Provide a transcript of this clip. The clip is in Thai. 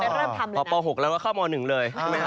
๕ปไปเริ่มทำเลยนะครับป๖แล้วก็เข้าม๑เลย